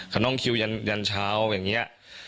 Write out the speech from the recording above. เขานั่งคิวยันเช้าอย่างนี้